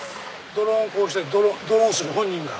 ドローンこうしてドロンする本人が。